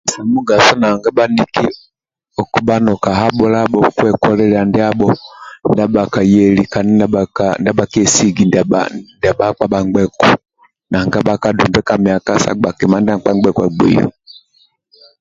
Ali mugaso nanga bhaniki okubha nokahabhulabho kwekolilya ndyabho kandi ndyabhakayeli kandi ndyabhakesigi ndyabakpa bhambgeku nanga bhakadoimbe ka myaka sa bga kima ndia mkpa mbeku abgeyo